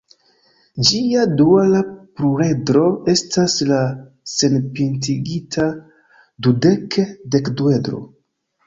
Ĝia duala pluredro estas la senpintigita dudek-dekduedro.